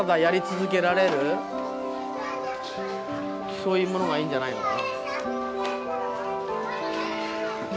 そういうものがいいんじゃないのかな。